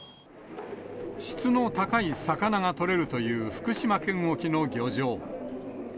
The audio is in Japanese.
質の高い魚が取れるという福島県沖の漁場。